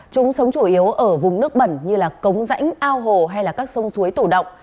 chúng sống chủ yếu ở vùng nước bẩn như là cống rãnh ao hồ hay các sông suối tổ động